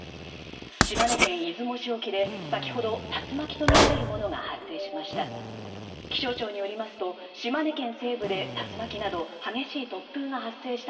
島根県出雲市沖で先ほど竜巻とみられるものが発生しました。